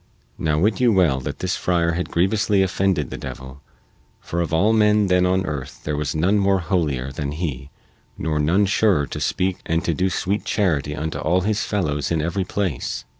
Now wit you well that this friar had grievously offended the devil, for of all men then on earth there was none more holier than he nor none surer to speak and to do sweet charity unto all his fellows in every place.